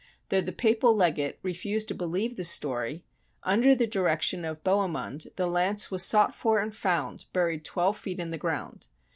Though the papal legate refused to believe the story, under the direction of Bohemund the lance was sought for and found, buried twelve feet in the ground.